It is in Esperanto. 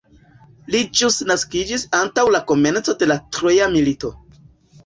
Li ĵus naskiĝis antaŭ la komenco de la troja milito.